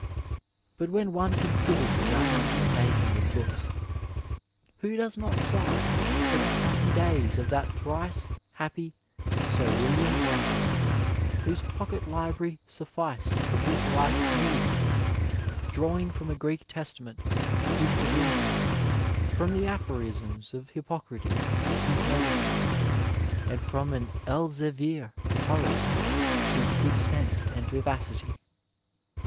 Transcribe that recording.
But when one considers the unending making of books, 220 Digitized by Google BOOKS AND MEN who does not aigli for the happy days of that thrice happy Sir William Browne^ whose pocket library sufficed for his life's needs ; drawing from a Greek testament his di vinity, from the aphorisms of Hippocrates his medicine, and from an Elzevir Horace his good sense and vivacity.